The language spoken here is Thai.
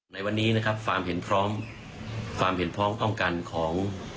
ในวันนี้นะครับความเห็นพร้อมความเห็นพร้อมต้องกันของ